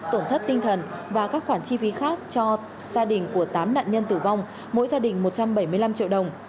tổn thất tinh thần và các khoản chi phí khác cho gia đình của tám nạn nhân tử vong mỗi gia đình một trăm bảy mươi năm triệu đồng